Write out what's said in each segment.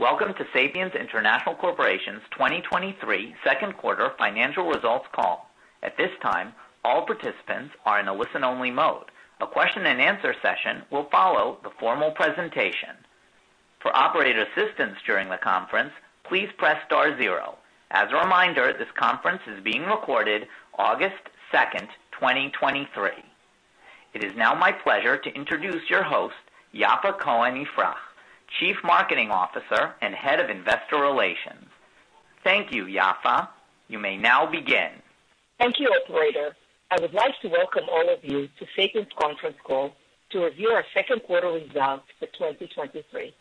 Welcome to Sapiens International Corporation's 2023 second quarter financial results call. At this time, all participants are in a listen-only mode. A question and answer session will follow the formal presentation. For operator assistance during the conference, please press star zero. As a reminder, this conference is being recorded August 2nd, 2023. It is now my pleasure to introduce your host, Yaffa Cohen-Ifrach, Chief Marketing Officer and Head of Investor Relations. Thank you, Yaffa. You may now begin. Thank you, operator. I would like to welcome all of you to Sapiens conference call to review our second quarter results for 2023.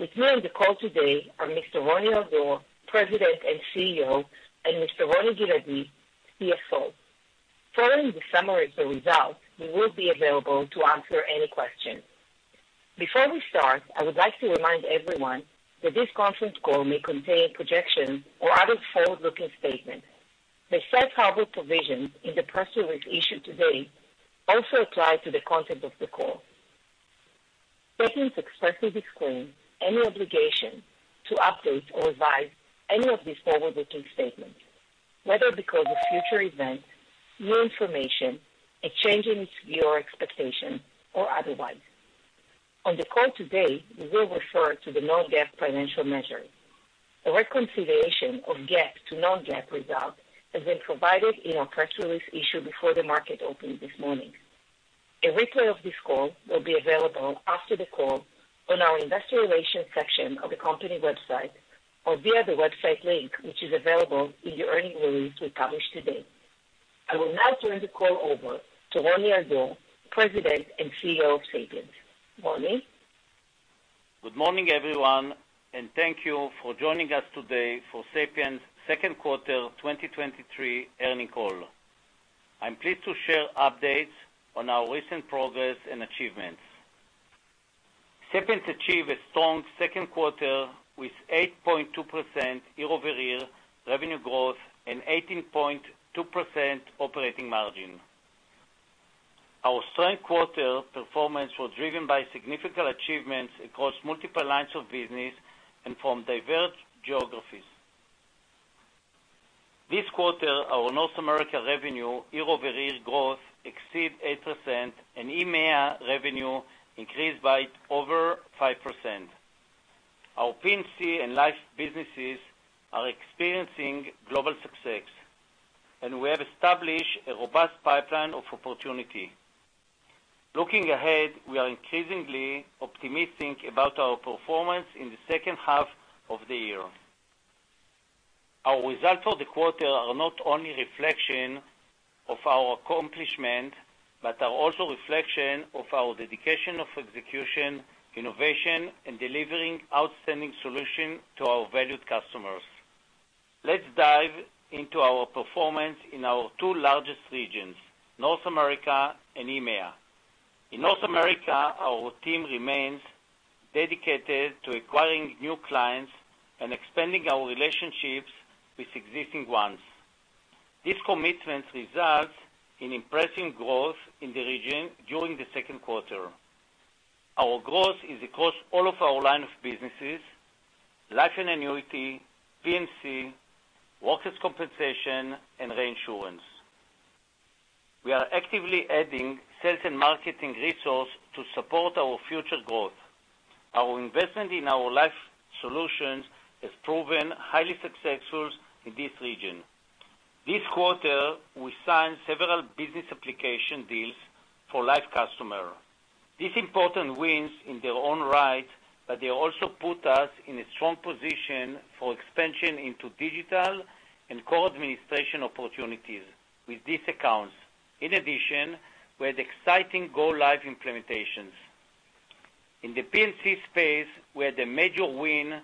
With me on the call today are Mr. Roni Al-Dor, President and CEO, and Mr. Roni Giladi, CFO. Following the summary of the results, we will be available to answer any questions. Before we start, I would like to remind everyone that this conference call may contain projections or other forward-looking statements. The safe harbor provision in the press release issued today also apply to the content of the call. Sapiens expressly disclaims any obligation to update or revise any of these forward-looking statements, whether because of future events, new information, a change in its view or expectation, or otherwise. On the call today, we will refer to the non-GAAP financial measure. A reconciliation of GAAP to non-GAAP results has been provided in our press release issued before the market opened this morning. A replay of this call will be available after the call on our investor relations section of the company website or via the website link, which is available in the earning release we published today. I will now turn the call over to Roni Al-Dor, President and CEO of Sapiens. Roni? Good morning, everyone, thank you for joining us today for Sapiens second quarter 2023 earnings call. I'm pleased to share updates on our recent progress and achievements. Sapiens achieved a strong second quarter with 8.2% year-over-year revenue growth and 18.2% operating margin. Our strong quarter performance was driven by significant achievements across multiple lines of business and from diverse geographies. This quarter, our North America revenue year-over-year growth exceeded 8%, and EMEA revenue increased by over 5%. Our P&C and Life businesses are experiencing global success, and we have established a robust pipeline of opportunity. Looking ahead, we are increasingly optimistic about our performance in the second half of the year. Our results for the quarter are not only reflection of our accomplishment, but are also reflection of our dedication of execution, innovation, and delivering outstanding solution to our valued customers. Let's dive into our performance in our two largest regions, North America and EMEA. In North America, our team remains dedicated to acquiring new clients and expanding our relationships with existing ones. This commitment results in impressive growth in the region during the second quarter. Our growth is across all of our line of businesses, Life & Annuity, P&C, workers' compensation, and Reinsurance. We are actively adding sales and marketing resource to support our future growth. Our investment in our Life solutions has proven highly successful in this region. This quarter, we signed several business application deals for life customer. These important wins in their own right, but they also put us in a strong position for expansion into digital and core administration opportunities with these accounts. In addition, we had exciting go live implementations. In the P&C space, we had a major win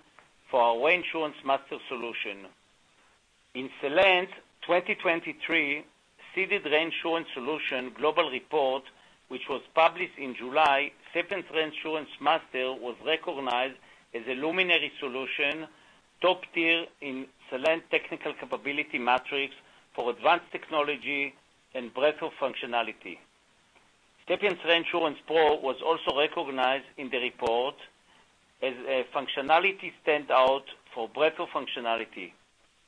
for our Sapiens ReinsuranceMaster solution. In Celent 2023, ceded reinsurance solution global report, which was published in July, Sapiens ReinsuranceMaster was recognized as a Luminary solution, top tier in Celent technical capability matrix for advanced technology and breadth of functionality. Sapiens ReinsurancePro was also recognized in the report as a functionality standout for breadth of functionality.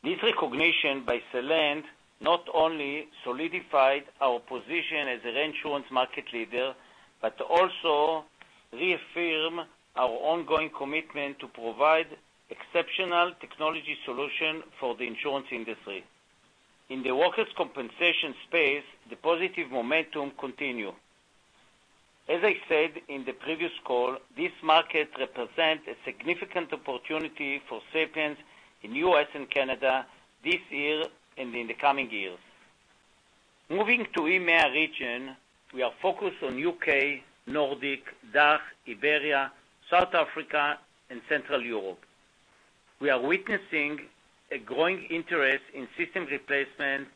This recognition by Celent not only solidified our position as a reinsurance market leader, but also reaffirm our ongoing commitment to provide exceptional technology solution for the insurance industry. In the workers' compensation space, the positive momentum continue. As I said in the previous call, this market represents a significant opportunity for Sapiens in U.S. and Canada this year and in the coming years. Moving to EMEA region, we are focused on U.K., Nordic, DACH, Iberia, South Africa, and Central Europe. We are witnessing a growing interest in system replacement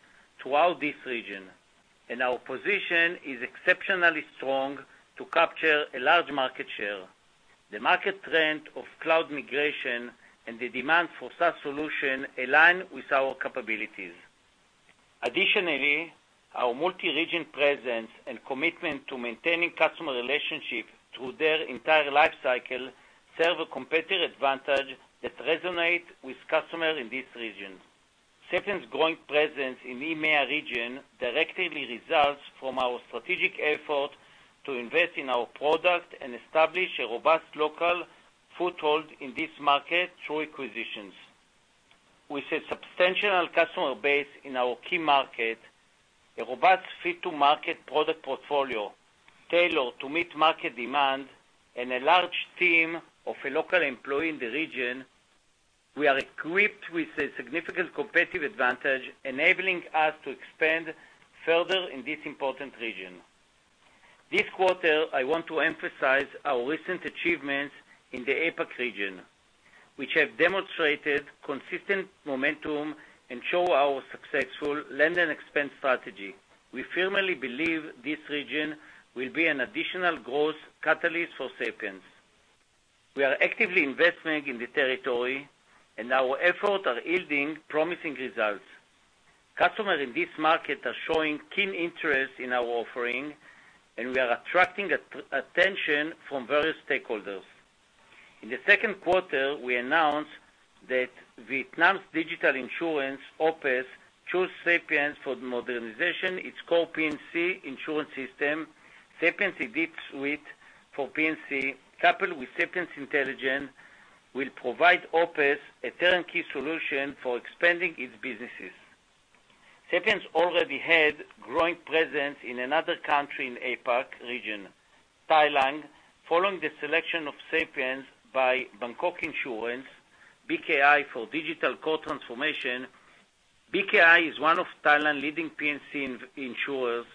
throughout this region. Our position is exceptionally strong to capture a large market share. The market trend of cloud migration and the demand for such solution align with our capabilities. Additionally, our multi-region presence and commitment to maintaining customer relationships through their entire life cycle serve a competitive advantage that resonate with customers in this region. Sapiens' growing presence in EMEA region directly results from our strategic effort to invest in our product and establish a robust local foothold in this market through acquisitions. With a substantial customer base in our key market, a robust fit-to-market product portfolio tailored to meet market demand, and a large team of a local employee in the region, we are equipped with a significant competitive advantage, enabling us to expand further in this important region. This quarter, I want to emphasize our recent achievements in the APAC region, which have demonstrated consistent momentum and show our successful land and expense strategy. We firmly believe this region will be an additional growth catalyst for Sapiens. We are actively investing in the territory, our efforts are yielding promising results. Customers in this market are showing keen interest in our offering, we are attracting attention from various stakeholders. In the second quarter, we announced that Vietnam's digital insurance, OPES, chose Sapiens for the modernization, its core P&C insurance system. Sapiens Suite for P&C, coupled with Sapiens Intelligence, will provide OPES a turnkey solution for expanding its businesses. Sapiens already had growing presence in another country in APAC region, Thailand, following the selection of Sapiens by Bangkok Insurance, BKI, for digital core transformation. BKI is one of Thailand's leading P&C insurers,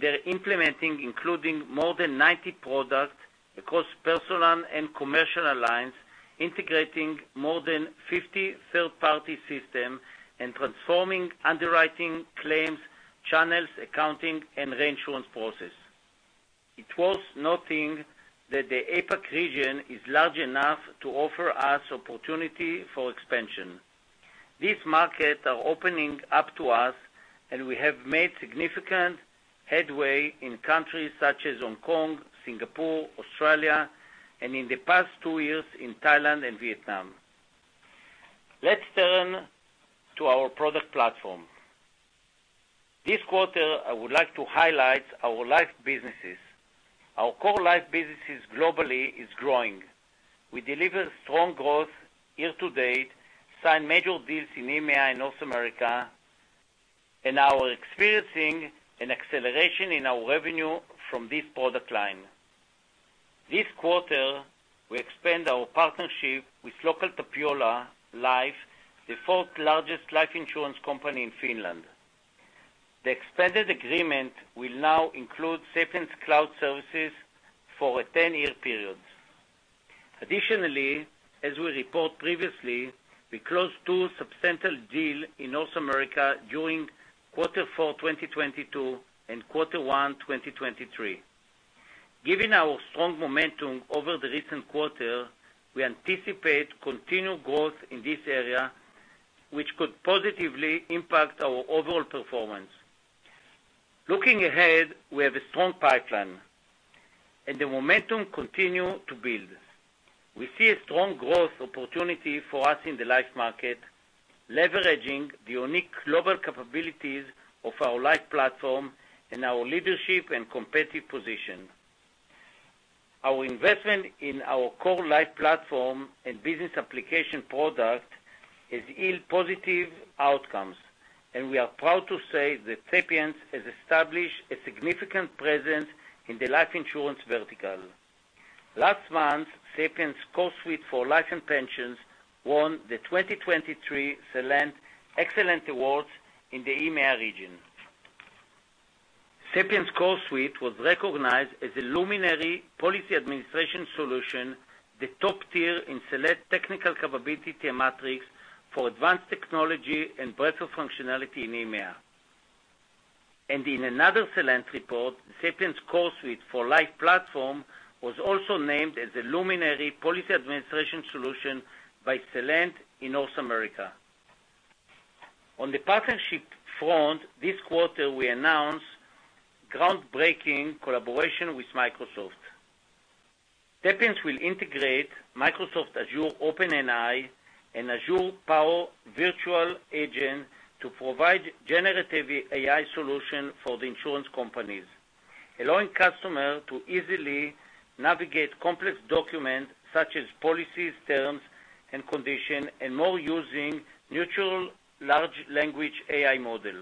they're implementing, including more than 90 products across personal and commercial alliance, integrating more than 50 third-party system and transforming underwriting, claims, channels, accounting, and reinsurance process. It was noting that the APAC region is large enough to offer us opportunity for expansion. These markets are opening up to us, we have made significant headway in countries such as Hong Kong, Singapore, Australia, and in the past two years in Thailand and Vietnam. Let's turn to our product platform. This quarter, I would like to highlight our Life businesses. Our core Life businesses globally is growing. We delivered strong growth year to date, signed major deals in EMEA and North America. Now we're experiencing an acceleration in our revenue from this product line. This quarter, we expand our partnership with LähiTapiola Life, the fourth largest life insurance company in Finland. The expanded agreement will now include Sapiens' cloud services for a 10-year period. Additionally, as we report previously, we closed two substantial deal in North America during quarter four 2022, and quarter one 2023. Given our strong momentum over the recent quarter, we anticipate continued growth in this area, which could positively impact our overall performance. Looking ahead, we have a strong pipeline, and the momentum continue to build. We see a strong growth opportunity for us in the life market, leveraging the unique global capabilities of our life platform and our leadership and competitive position. Our investment in our core Life platform and business application product has yield positive outcomes. We are proud to say that Sapiens has established a significant presence in the life insurance vertical. Last month, Sapiens' CoreSuite for Life & Pensions won the 2023 Celent XCelent Awards in the EMEA region. Sapiens' CoreSuite was recognized as a Luminary Policy Administration Solution, the top tier in select technical capability metrics for advanced technology and breadth of functionality in EMEA. In another Celent report, Sapiens' CoreSuite for Life platform was also named as a Luminary Policy Administration Solution by Celent in North America. On the partnership front, this quarter, we announced groundbreaking collaboration with Microsoft. Sapiens will integrate Microsoft Azure OpenAI and Azure Power Virtual Agent to provide generative AI solution for the insurance companies, allowing customers to easily navigate complex documents such as policies, terms, and conditions, and more, using natural large language AI model.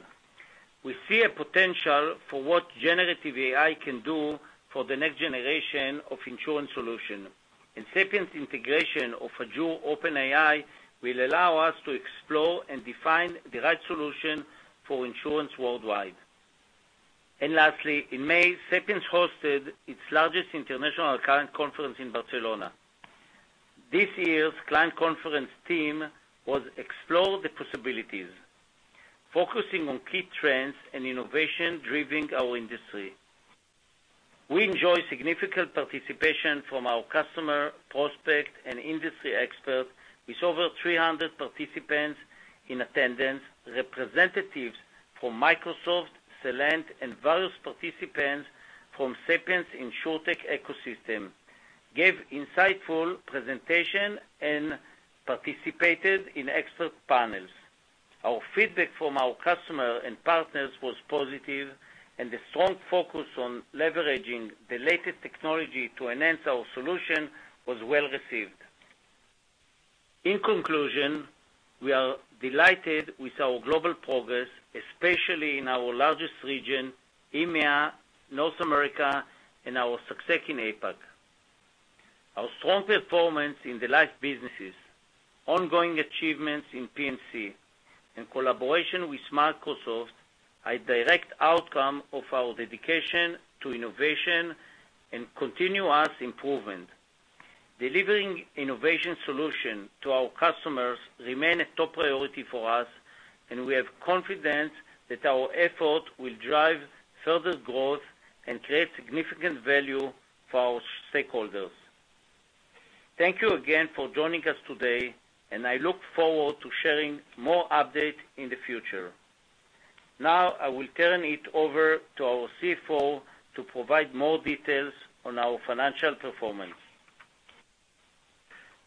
We see a potential for what generative AI can do for the next generation of insurance solution. Sapiens' integration of Azure OpenAI will allow us to explore and define the right solution for insurance worldwide. Lastly, in May, Sapiens hosted its largest international client conference in Barcelona. This year's client conference theme was Explore the Possibilities, focusing on key trends and innovation driving our industry. We enjoy significant participation from our customer, prospect, and industry expert, with over 300 participants in attendance. Representatives from Microsoft, Celent, and various participants from Sapiens' Insurtech ecosystem, gave insightful presentation and participated in expert panels. Our feedback from our customer and partners was positive. The strong focus on leveraging the latest technology to enhance our solution was well received. In conclusion, we are delighted with our global progress, especially in our largest region, EMEA, North America, and our success in APAC. Our strong performance in the life businesses, ongoing achievements in P&C, and collaboration with Microsoft, are a direct outcome of our dedication to innovation and continuous improvement. Delivering innovation solution to our customers remain a top priority for us. We have confidence that our effort will drive further growth and create significant value for our stakeholders. Thank you again for joining us today. I look forward to sharing more update in the future. Now, I will turn it over to our CFO to provide more details on our financial performance.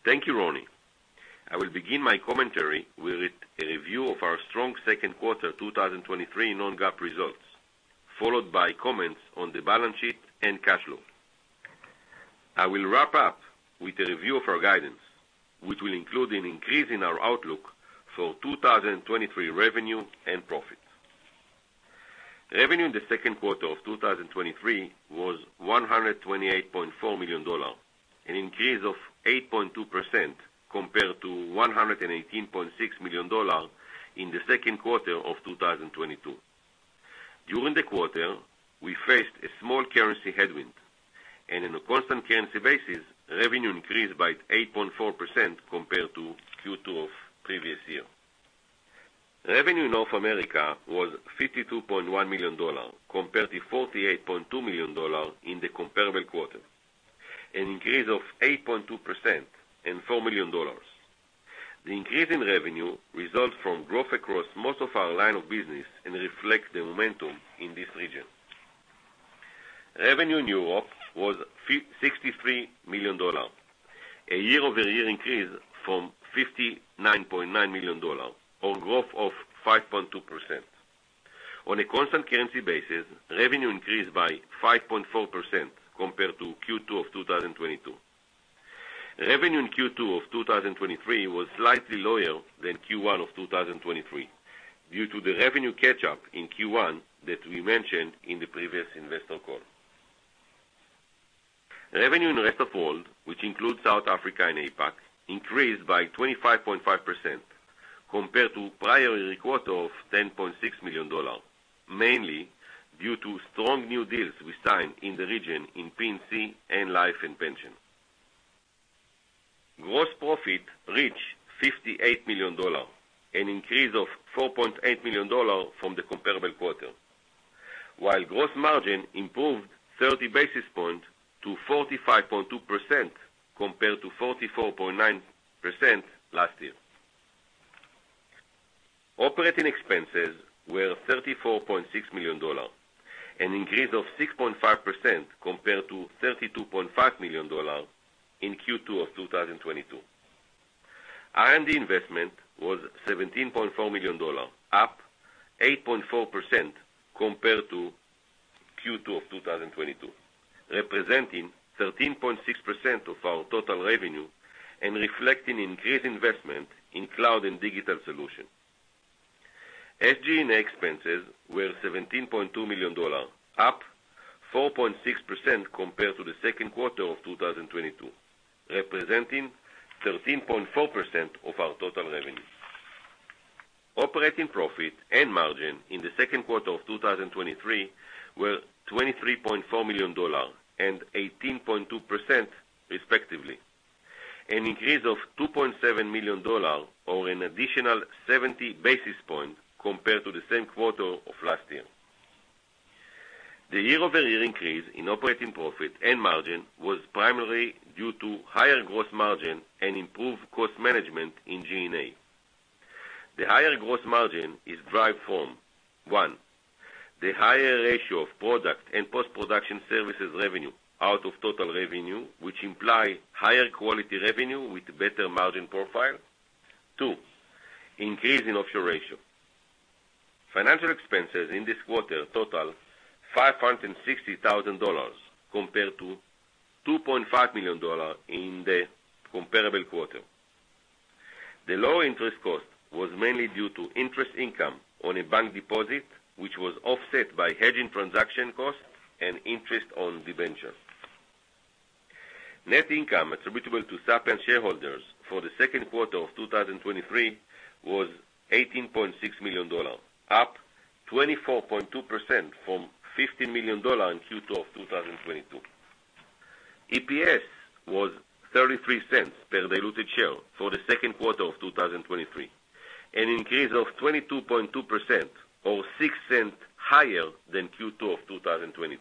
Thank you, Roni. I will begin my commentary with a review of our strong second quarter 2023 non-GAAP results, followed by comments on the balance sheet and cash flow. I will wrap up with a review of our guidance, which will include an increase in our outlook for 2023 revenue and profit. Revenue in the second quarter of 2023 was $128.4 million, an increase of 8.2% compared to $118.6 million in the second quarter of 2022. During the quarter, we faced a small currency headwind. In a constant currency basis, revenue increased by 8.4% compared to Q2 of previous year. Revenue in North America was $52.1 million, compared to $48.2 million in the comparable quarter, an increase of 8.2% and $4 million. The increase in revenue result from growth across most of our line of business and reflect the momentum in this region. Revenue in Europe was $63 million, a year-over-year increase from $59.9 million, or growth of 5.2%. On a constant currency basis, revenue increased by 5.4% compared to Q2 of 2022. Revenue in Q2 of 2023 was slightly lower than Q1 of 2023, due to the revenue catch-up in Q1 that we mentioned in the previous investor call. Revenue in the rest of world, which includes South Africa and APAC, increased by 25.5% compared to prior year quarter of $10.6 million, mainly due to strong new deals we signed in the region in P&C and Life & Pension. Gross profit reached $58 million, an increase of $4.8 million from the comparable quarter, while gross margin improved 30 basis points to 45.2%, compared to 44.9% last year. Operating expenses were $34.6 million, an increase of 6.5% compared to $32.5 million in Q2 of 2022. R&D investment was $17.4 million, up 8.4% compared to Q2 of 2022, representing 13.6% of our total revenue and reflecting increased investment in cloud and digital solution. SG&A expenses were $17.2 million, up 4.6% compared to the second quarter of 2022, representing 13.4% of our total revenue. Operating profit and margin in the second quarter of 2023 were $23.4 million and 18.2% respectively, an increase of $2.7 million, or an additional 70 basis points compared to the same quarter of last year. The year-over-year increase in operating profit and margin was primarily due to higher gross margin and improved cost management in G&A. The higher gross margin is derived from, one, the higher ratio of product and post-production services revenue out of total revenue, which imply higher quality revenue with better margin profile. Two, increase in offshore ratio. Financial expenses in this quarter total $560,000, compared to $2.5 million in the comparable quarter. The lower interest cost was mainly due to interest income on a bank deposit, which was offset by hedging transaction costs and interest on debentures. Net income attributable to Sapiens shareholders for the second quarter of 2023 was $18.6 million, up 24.2% from $15 million in Q2 of 2022. EPS was $0.33 per diluted share for the second quarter of 2023, an increase of 22.2% or $0.06 higher than Q2 of 2022.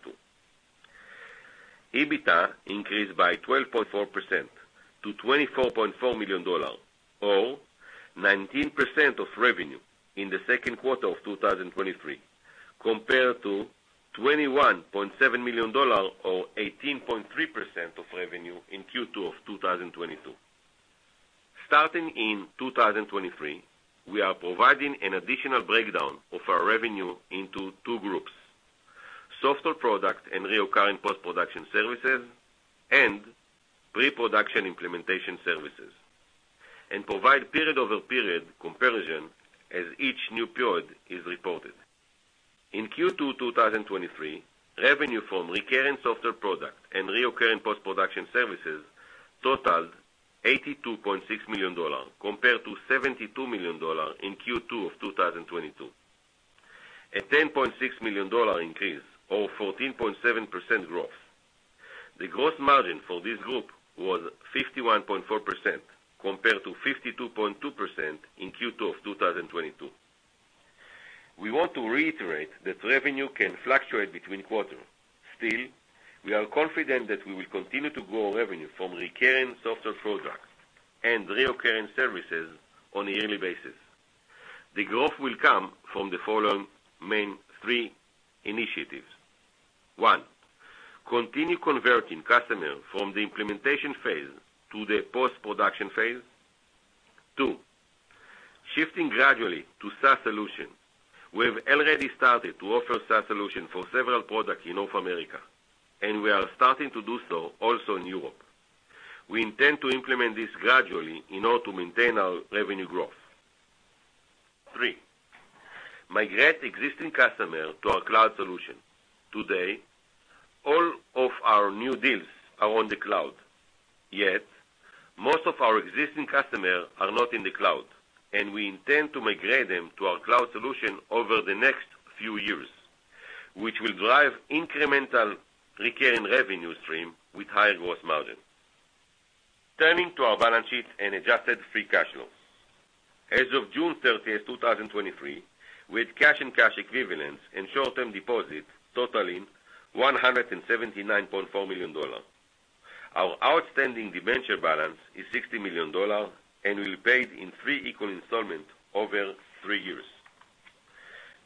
EBITDA increased by 12.4% to $24.4 million, or 19% of revenue in the second quarter of 2023, compared to $21.7 million, or 18.3% of revenue in Q2 of 2022. Starting in 2023, we are providing an additional breakdown of our revenue into two groups: software products and recurring post-production services, and pre-production implementation services, and provide period-over-period comparison as each new period is reported. In Q2 2023, revenue from recurring software products and recurring post-production services totaled $82.6 million, compared to $72 million in Q2 2022, a $10.6 million increase, or 14.7% growth. The gross margin for this group was 51.4%, compared to 52.2% in Q2 2022. We want to reiterate that revenue can fluctuate between quarters. Still, we are confident that we will continue to grow revenue from recurring software products and recurring services on a yearly basis. The growth will come from the following main three initiatives. One, continue converting customers from the implementation phase to the post-production phase. Two, shifting gradually to SaaS solution. We have already started to offer SaaS solution for several products in North America, and we are starting to do so also in Europe. We intend to implement this gradually in order to maintain our revenue growth. Three, migrate existing customers to our cloud solution. Today, all of our new deals are on the cloud, yet most of our existing customers are not in the cloud, and we intend to migrate them to our cloud solution over the next few years, which will drive incremental recurring revenue stream with higher gross margin. Turning to our balance sheet and adjusted free cash flows. As of June 30th, 2023, we had cash and cash equivalents and short-term deposits totaling $179.4 million. Our outstanding debenture balance is $60 million and will be paid in three equal installments over three years.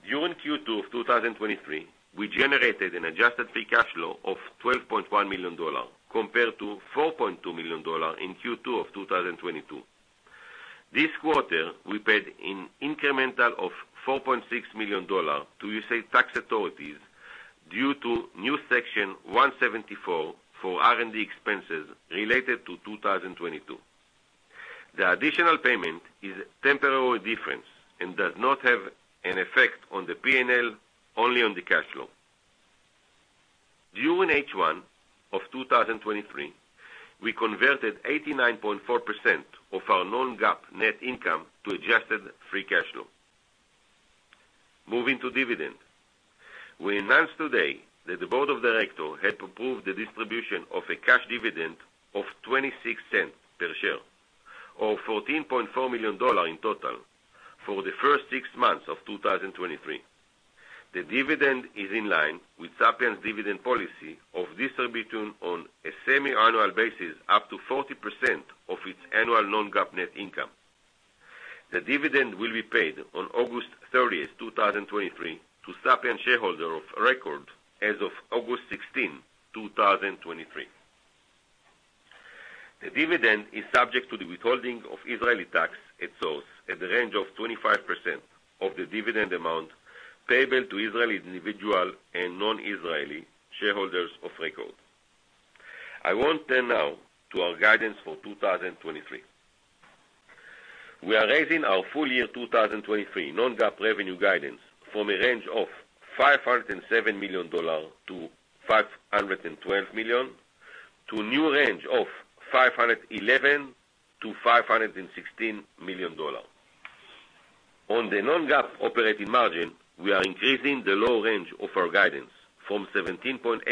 During Q2 2023, we generated an adjusted free cash flow of $12.1 million, compared to $4.2 million in Q2 2022. This quarter, we paid an incremental of $4.6 million to USA tax authorities due to new Section 174 for R&D expenses related to 2022. The additional payment is a temporary difference and does not have an effect on the P&L, only on the cash flow. During H1 2023, we converted 89.4% of our non-GAAP net income to adjusted free cash flow. Moving to dividend. We announced today that the board of directors had approved the distribution of a cash dividend of $0.26 per share, or $14.4 million in total for the first six months of 2023. The dividend is in line with Sapiens' dividend policy of distribution on a semi-annual basis, up to 40% of its annual non-GAAP net income. The dividend will be paid on August 30th, 2023, to Sapiens shareholder of record as of August 16th, 2023. The dividend is subject to the withholding of Israeli tax at source, at the range of 25% of the dividend amount payable to Israeli individual and non-Israeli shareholders of record. I want turn now to our guidance for 2023. We are raising our full year 2023 non-GAAP revenue guidance from a range of $507 million-$512 million, to a new range of $511 million-$516 million. On the non-GAAP operating margin, we are increasing the low range of our guidance from 17.8%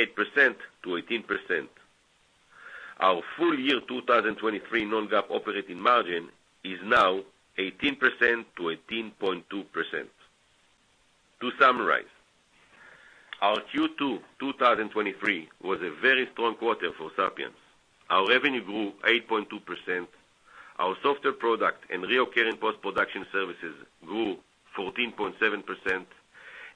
to 18%. Our full year 2023 non-GAAP operating margin is now 18%-18.2%. To summarize, our Q2 2023 was a very strong quarter for Sapiens. Our revenue grew 8.2%, our software product and recurring post-production services grew 14.7%,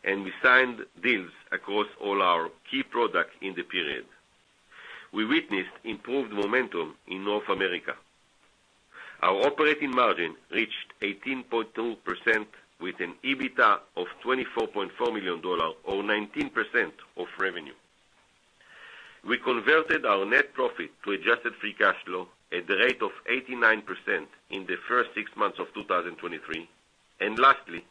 and we signed deals across all our key products in the period. We witnessed improved momentum in North America. Our operating margin reached 18.2% with an EBITDA of $24.4 million or 19% of revenue. We converted our net profit to adjusted free cash flow at the rate of 89% in the first six months of 2023. Lastly,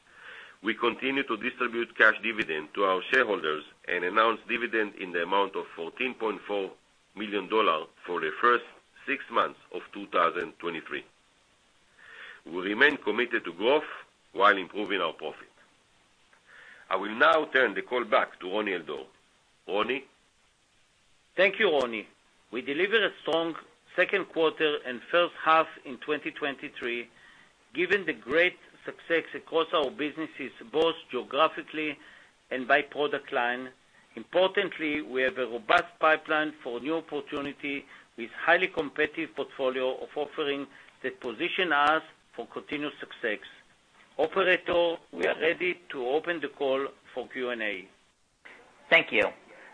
we continue to distribute cash dividend to our shareholders and announce dividend in the amount of $14.4 million for the first six months of 2023. We remain committed to growth while improving our profit. I will now turn the call back to Roni Al-Dor. Roni? Thank you, Roni. We delivered a strong second quarter and first half in 2023, given the great success across our businesses, both geographically and by product line. Importantly, we have a robust pipeline for new opportunity with highly competitive portfolio of offerings that position us for continued success. Operator, we are ready to open the call for Q&A. Thank you.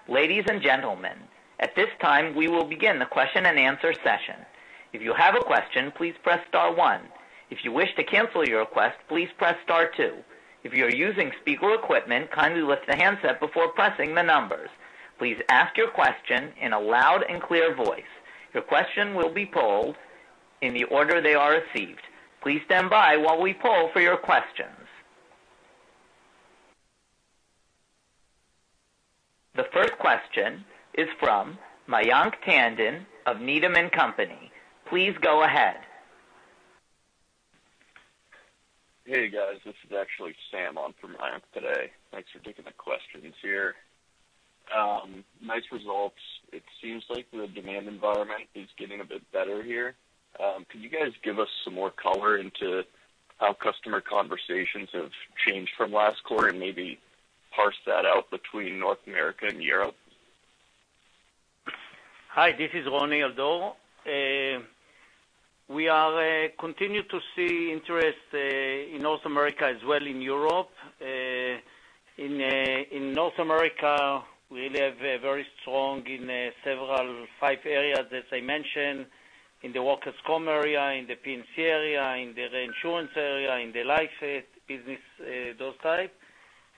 Ladies and gentlemen, at this time, we will begin the question-and-answer session. If you have a question, please press star one. If you wish to cancel your request, please press star two. If you are using speaker equipment, kindly lift the handset before pressing the numbers. Please ask your question in a loud and clear voice. Your questions will be polled in the order they are received. Please stand by while we poll for your questions. The first question is from Mayank Tandon of Needham & Company. Please go ahead. Hey, guys, this is actually Sam on for Mayank today. Thanks for taking the questions here. Nice results. It seems like the demand environment is getting a bit better here. Can you guys give us some more color into how customer conversations have changed from last quarter, and maybe parse that out between North America and Europe? Hi, this is Roni Al-Dor. We are continue to see interest in North America as well in Europe. In North America, we live very strong in several five areas, as I mentioned, in the workers' comp area, in the P&C area, in the Reinsurance area, in the Life business, those type.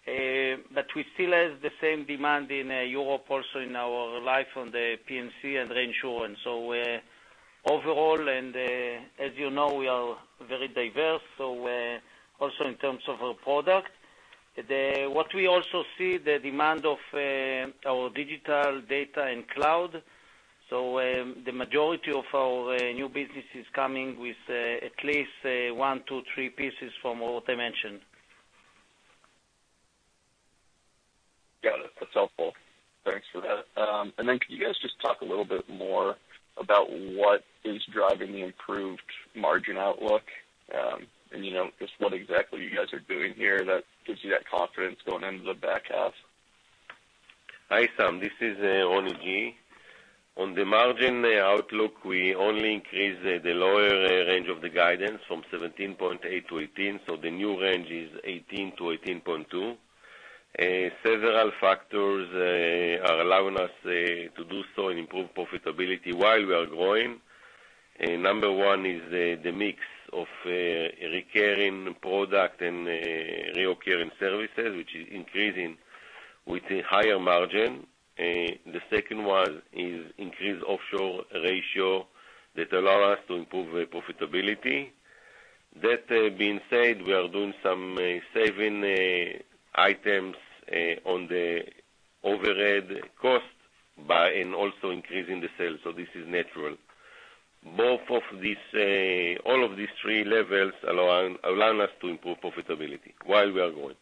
We still have the same demand in Europe, also in our Life, on the P&C and Reinsurance. Overall, and, as you know, we are very diverse, also in terms of our product. What we also see the demand of our digital data and cloud, the majority of our new business is coming with at least one, two, three pieces from what I mentioned. Got it. That's helpful. Thanks for that. Then could you guys just talk a little bit more about what is driving the improved margin outlook? You know, just what exactly you guys are doing here that gives you that confidence going into the back half. Hi, Sam, this is Roni Giladi. On the margin outlook, we only increase the lower range of the guidance from 17.8% to 18%, so the new range is 18% to 18.2%. Several factors are allowing us to do so and improve profitability while we are growing. One is the mix of recurring product and recurring services, which is increasing with a higher margin. The second one is increased offshore ratio that allow us to improve the profitability. That being said, we are doing some saving items on the overhead cost by, and also increasing the sales. This is natural. Both of these, all of these three levels allow, allowing us to improve profitability while we are growing.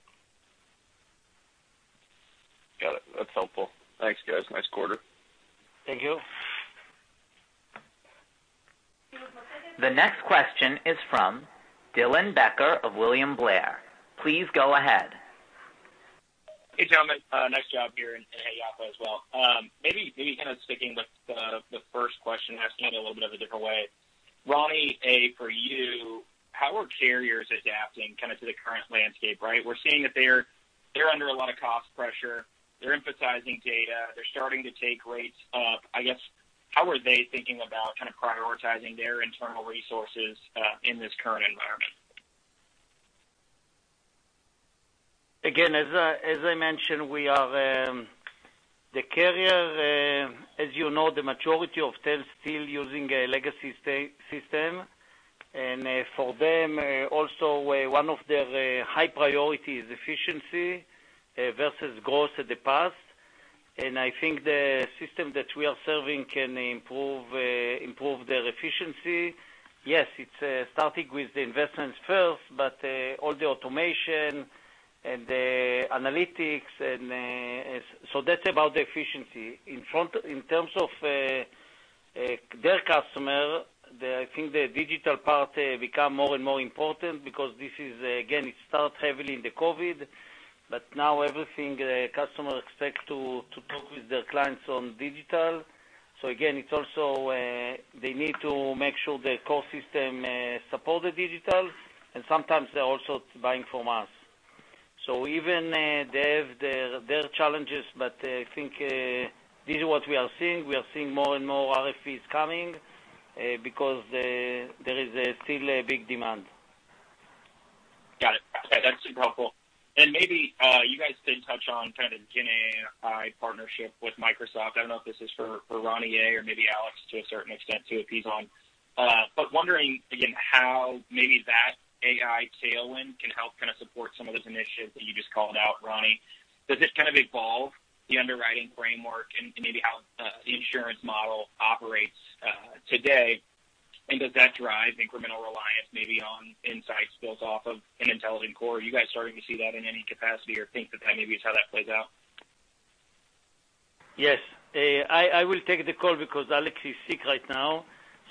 Got it. That's helpful. Thanks, guys. Nice quarter. Thank you. The next question is from Dylan Becker of William Blair. Please go ahead. Hey, gentlemen, nice job here, and hey, Yaffa, as well. Maybe, maybe kind of sticking with the, the first question, asking it a little bit of a different way. Roni A, for you, how are carriers adapting kind of to the current landscape, right? We're seeing that they're, they're under a lot of cost pressure, they're emphasizing data, they're starting to take rates up. I guess, how are they thinking about kind of prioritizing their internal resources in this current environment? Again, as I, as I mentioned, we are the carrier, as you know, the majority of them still using a legacy system. For them, also, one of their high priority is efficiency versus growth in the past. I think the system that we are serving can improve improve their efficiency. Yes, it's starting with the investments first, but all the automation and the analytics. That's about the efficiency. In terms of their customer, the, I think the digital part become more and more important because this is, again, it start heavily in the COVID, but now everything customer expect to, to talk with their clients on digital. Again, it's also, they need to make sure their core system support the digital, and sometimes they're also buying from us. Even, they have their, their challenges, but I think this is what we are seeing. We are seeing more and more RFPs coming, because there is still a big demand. Got it. Okay, that's super helpful. Maybe, you guys did touch on kind of GenAI partnership with Microsoft. I don't know if this is for, for Roni or maybe Alex, to a certain extent, too, if he's on. Wondering again, how maybe that AI tailwind can help kind of support some of those initiatives that you just called out, Roni? Does this kind of evolve the underwriting framework and, and maybe how, the insurance model operates, today? Does that drive incremental reliance maybe on insights built off of an intelligent core? Are you guys starting to see that in any capacity or think that that maybe is how that plays out? Yes. I, I will take the call because Alex is sick right now.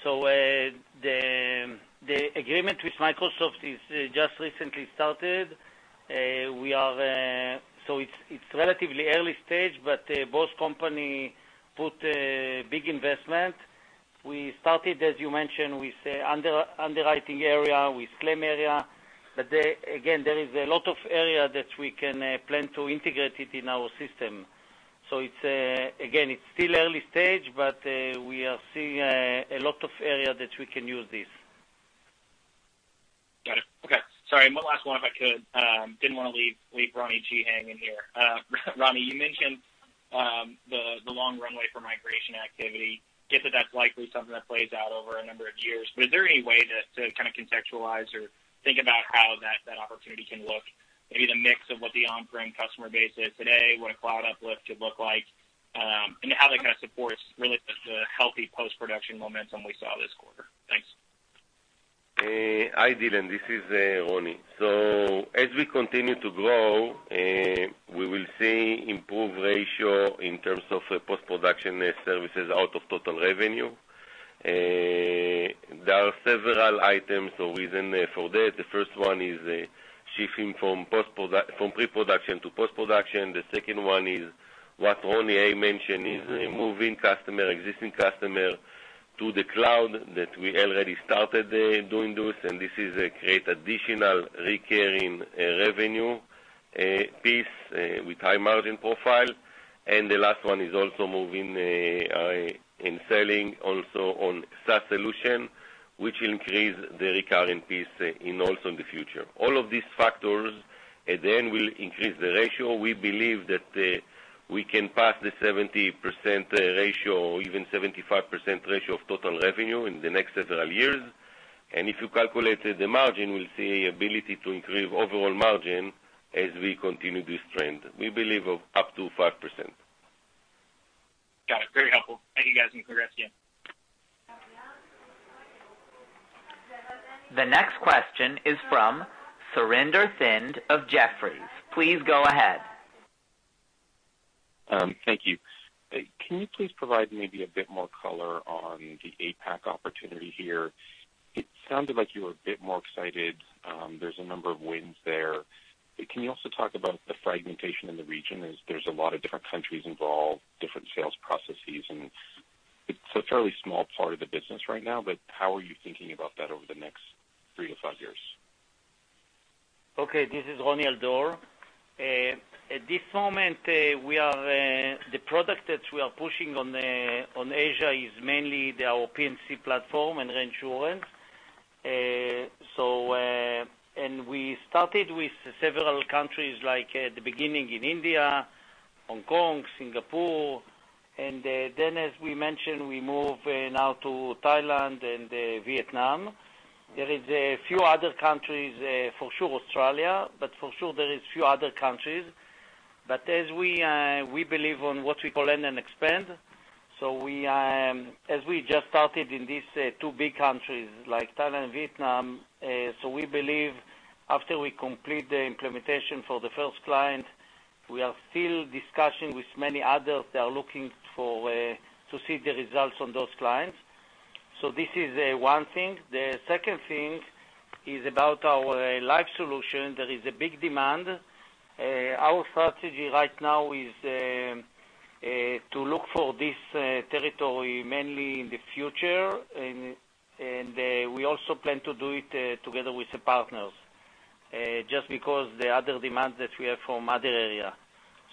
The, the agreement with Microsoft is just recently started. We are, so it's, it's relatively early stage, but both company put a big investment. We started, as you mentioned, with the underwriting area, with claim area, but there, again, there is a lot of area that we can plan to integrate it in our system. It's, again, it's still early stage, but we are seeing a lot of area that we can use this. Got it. Okay. Sorry, one last one, if I could. Didn't want to leave, leave Roni Giladi hanging in here. Roni, you mentioned, the long runway for migration activity. Get that that's likely something that plays out over a number of years. Is there any way to kind of contextualize or think about how that, that opportunity can look? Maybe the mix of what the on-prem customer base is today, what a cloud uplift could look like, and how that kind of supports really the healthy post-production momentum we saw this quarter. Thanks. Hi, Dylan Becker, this is Roni Giladi. As we continue to grow, we will see improved ratio in terms of post-production services out of total revenue. There are several items or reason for that. The first one is shifting from pre-production to post-production. The second one is what Roni Al-Dor mentioned, is moving customer, existing customer to the cloud, that we already started doing this, and this is a great additional recurring revenue piece with high margin profile. The last one is also moving in selling also on SaaS solution, which will increase the recurring piece in also in the future. All of these factors, at the end, will increase the ratio. We believe that we can pass the 70% ratio or even 75% ratio of total revenue in the next several years. If you calculate the margin, we'll see ability to improve overall margin as we continue this trend. We believe of up to 5%. Got it. Very helpful. Thank you, guys, and congrats again. The next question is from Surinder Thind of Jefferies. Please go ahead. Thank you. Can you please provide maybe a bit more color on the APAC opportunity here? It sounded like you were a bit more excited. There's a number of wins there. Can you also talk about the fragmentation in the region? There's, there's a lot of different countries involved, different sales processes, and it's a fairly small part of the business right now, but how are you thinking about that over the next three to five years? Okay, this is Roni Al-Dor. At this moment, we are the product that we are pushing on Asia is mainly our P&C platform and Reinsurance. We started with several countries, like, at the beginning in India, Hong Kong, Singapore, and then, as we mentioned, we move now to Thailand and Vietnam. There is a few other countries, for sure, Australia, but for sure there is a few other countries. As we believe on what we call end and expand, so we, as we just started in these two big countries like Thailand and Vietnam, so we believe after we complete the implementation for the first client, we are still discussing with many others that are looking for to see the results from those clients. This is one thing. The second thing is about our Life solution. There is a big demand. Our strategy right now is to look for this territory mainly in the future. We also plan to do it together with the partners, just because the other demands that we have from other area.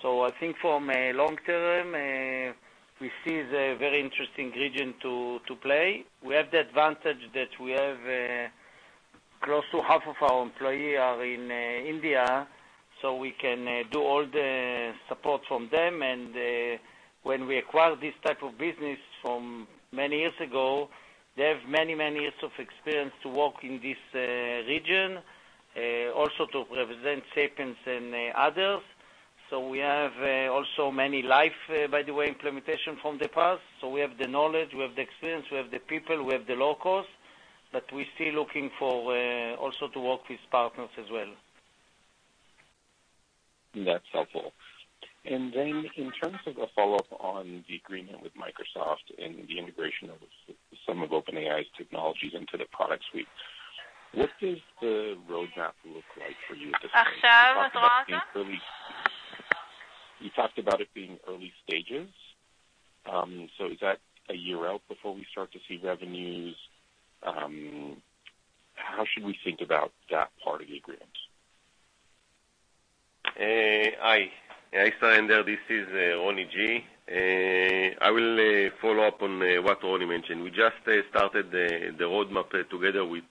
I think from a long term, we see the very interesting region to play. We have the advantage that we have close to half of our employee are in India, so we can do all the support from them. When we acquire this type of business from many years ago, they have many, many years of experience to work in this region, also to represent Sapiens and others. We have also many life, by the way, implementation from the past. We have the knowledge, we have the experience, we have the people, we have the locals, but we're still looking for also to work with partners as well. That's helpful. Then in terms of a follow-up on the agreement with Microsoft and the integration of some of OpenAI's technologies into the product suite, what does the roadmap look like for you at this point? Sir, what? You talked about it being early stages. Is that a year out before we start to see revenues? How should we think about that part of the agreement? Hi, Surinder, this is Roni Giladi. I will follow up on what Roni mentioned. We just started the roadmap together with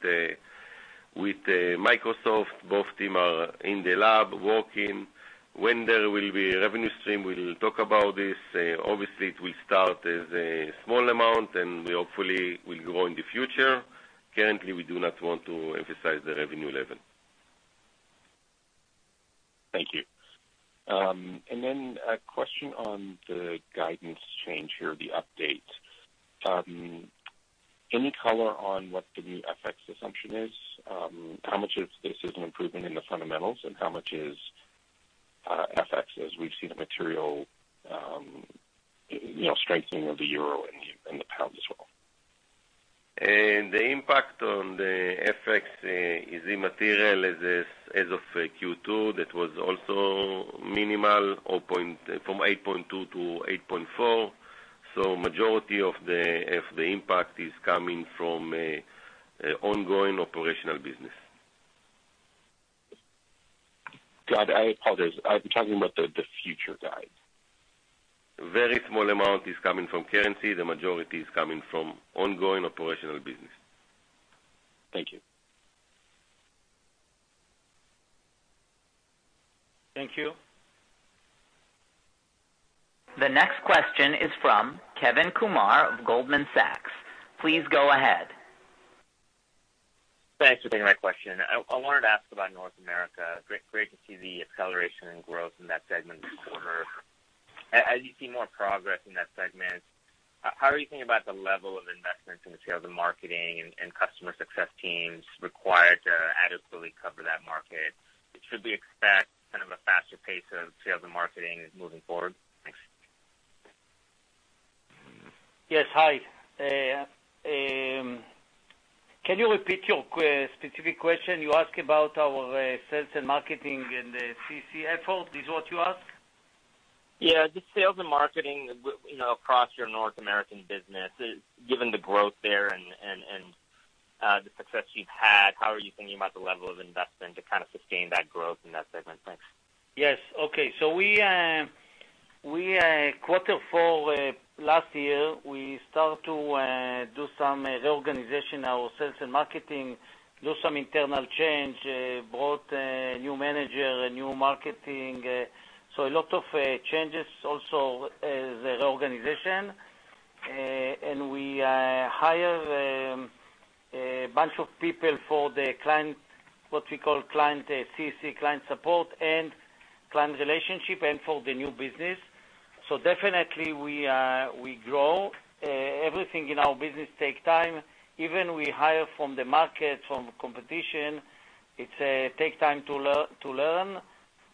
Microsoft. Both team are in the lab working. When there will be a revenue stream, we will talk about this. Obviously, it will start as a small amount, and we hopefully will grow in the future. Currently, we do not want to emphasize the revenue level. Thank you. Then a question on the guidance change here, the update. Any color on what the new FX assumption is? How much of this is an improvement in the fundamentals, and how much is FX, as we've seen a material, you know, strengthening of the euro and the pound as well? The impact on the FX is immaterial as of Q2, that was also minimal, or from 8.2% to 8.4%. Majority of the impact is coming from ongoing operational business. Giladi, I apologize. I'm talking about the, the future guide. Very small amount is coming from currency. The majority is coming from ongoing operational business. Thank you. Thank you. The next question is from Kevin Kumar of Goldman Sachs. Please go ahead. Thanks for taking my question. I wanted to ask about North America. Great, great to see the acceleration and growth in that segment this quarter. As you see more progress in that segment, how are you thinking about the level of investment in the sales and marketing and customer success teams required to adequately cover that market? Should we expect kind of a faster pace of sales and marketing moving forward? Thanks. Yes, hi. Can you repeat your specific question? You ask about our sales and marketing and the CC effort, is what you ask? Yeah, just sales and marketing, you know, across your North American business, given the growth there and the success you've had, how are you thinking about the level of investment to kind of sustain that growth in that segment? Thanks. Yes. Okay. We, we, quarter four last year, we start to do some reorganization, our sales and marketing, do some internal change, brought a new manager, a new marketing, so a lot of changes also as the organization. And we hire a bunch of people for the client, what we call client, CC, client support and client relationship and for the new business. Definitely we, we grow. Everything in our business take time. Even we hire from the market, from competition, it's take time to learn,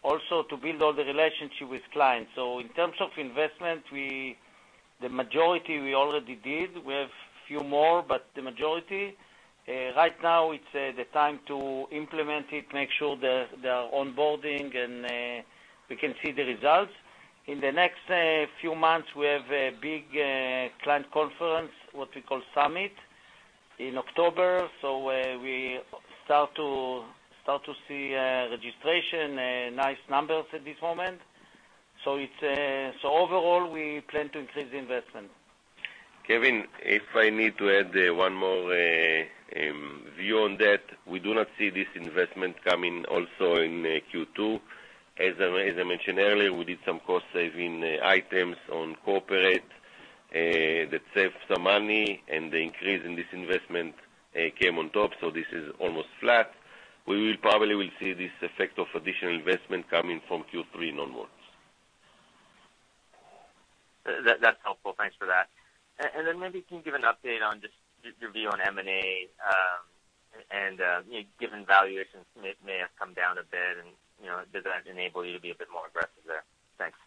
also to build all the relationship with clients. In terms of investment, the majority we already did. We have few more, but the majority, right now, it's, the time to implement it, make sure that they are onboarding and, we can see the results. In the next, few months, we have a big, client conference, what we call Summit, in October. We start to, start to see, registration, nice numbers at this moment. It's. Overall, we plan to increase investment. Kevin, if I need to add, one more, view on that, we do not see this investment coming also in Q2. As I, as I mentioned earlier, we did some cost-saving, items on corporate, that saved some money, and the increase in this investment, came on top, so this is almost flat. We will probably will see this effect of additional investment coming from Q3 onwards. That's helpful. Thanks for that. Then maybe can you give an update on just your view on M&A, and, you know, given valuations may, may have come down a bit, and, you know, does that enable you to be a bit more aggressive there? Thanks.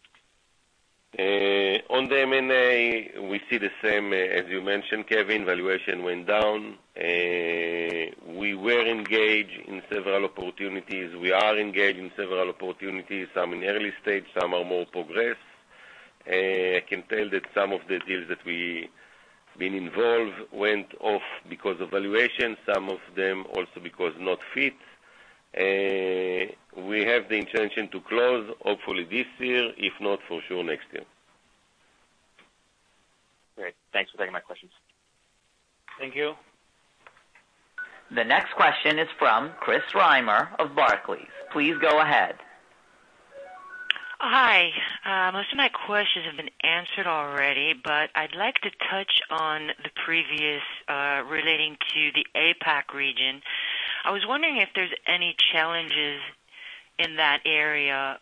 On the M&A, we see the same as you mentioned, Kevin, valuation went down. We were engaged in several opportunities. We are engaged in several opportunities, some in early stage, some are more progressed. I can tell that some of the deals that we been involved went off because of valuation, some of them also because not fit. We have the intention to close, hopefully this year, if not, for sure, next year. Great. Thanks for taking my questions. Thank you. The next question is from Chris Reimer of Barclays. Please go ahead. Hi. Most of my questions have been answered already, but I'd like to touch on the previous, relating to the APAC region. I was wondering if there's any challenges in that area,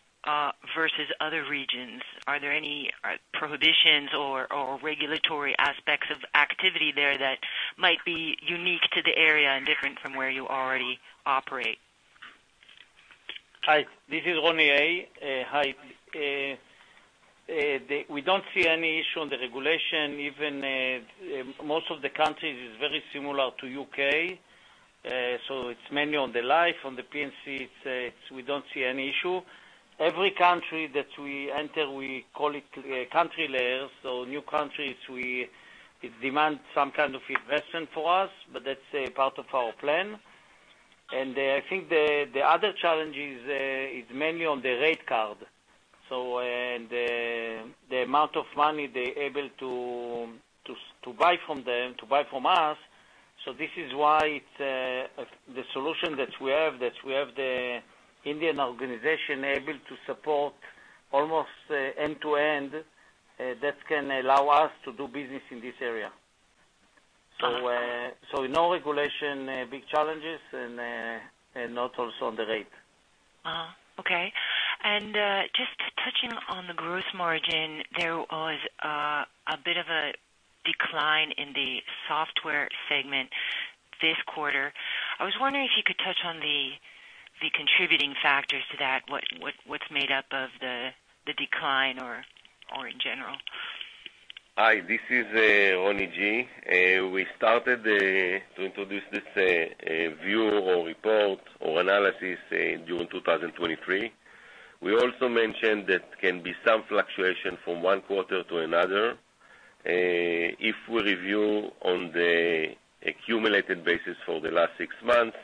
versus other regions. Are there any prohibitions or regulatory aspects of activity there that might be unique to the area and different from where you already operate? Hi, this is Roni Al-Dor. Hi. We don't see any issue on the regulation, even, most of the countries is very similar to UK. It's mainly on the life, on the P&C, it's, we don't see any issue. Every country that we enter, we call it country layer. New countries, it demands some kind of investment for us, but that's a part of our plan. I think the, the other challenge is, is mainly on the rate card. The amount of money they're able to buy from them, to buy from us, this is why it's the solution that we have, that we have the Indian organization able to support almost end-to-end, that can allow us to do business in this area. No regulation, big challenges and not also on the rate. Okay. Just touching on the gross margin, there was a bit of a decline in the software segment this quarter. I was wondering if you could touch on the, the contributing factors to that. What, what, what's made up of the, the decline or, or in general? Hi, this is Roni Giladi. We started to introduce this view or report or analysis during 2023. We also mentioned that can be some fluctuation from one quarter to another. If we review on the accumulated basis for the last six months,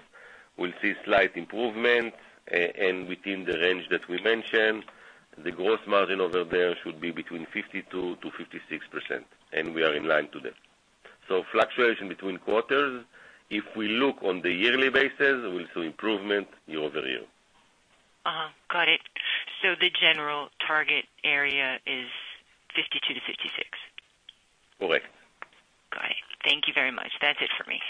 we'll see slight improvement, and within the range that we mentioned, the gross margin over there should be between 52%-56%, and we are in line to that. Fluctuation between quarters, if we look on the yearly basis, we'll see improvement year-over-year. Uh-huh, got it. The general target area is 52%-56%? Correct. Got it. Thank you very much. That's it for me.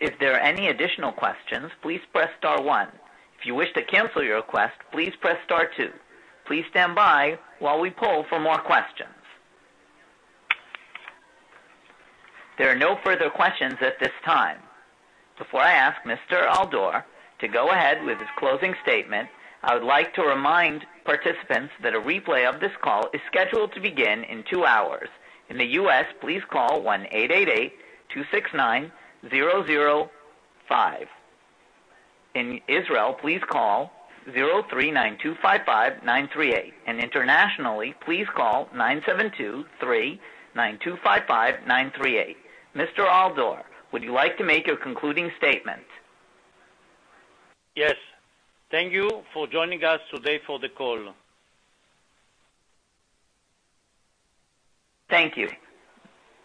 If there are any additional questions, please press star one. If you wish to cancel your request, please press star two. Please stand by while we poll for more questions. There are no further questions at this time. Before I ask Mr. Al-Dor to go ahead with his closing statement, I would like to remind participants that a replay of this call is scheduled to begin in two hours. In the U.S., please call 1-888-269-0005. In Israel, please call 03-925-5938, and internationally, please call 972-3-925-5938. Mr. Al-Dor, would you like to make a concluding statement? Yes. Thank you for joining us today for the call. Thank you.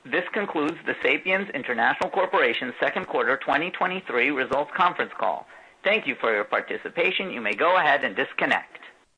This concludes the Sapiens International Corporation second quarter 2023 results conference call. Thank you for your participation. You may go ahead and disconnect.